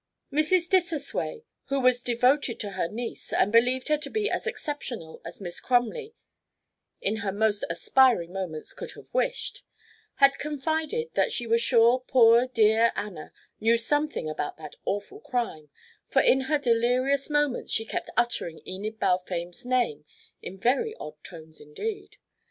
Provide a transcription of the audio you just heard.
Mrs. Dissosway, who was devoted to her niece and believed her to be as exceptional as Miss Crumley in her most aspiring moments could have wished, had confided that she was sure poor dear Anna knew something about that awful crime, for in her delirious moments she kept uttering Enid Balfame's name in very odd tones indeed.